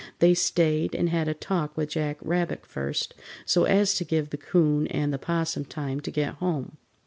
They stayed and had a talk with Jack Rabbit first so as to give the 'Coon and the 'Possum time to get home.